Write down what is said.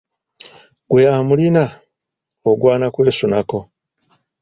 Ggwe amulina ogwana kwesunako.